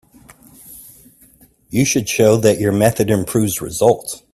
You should show that your method improves results.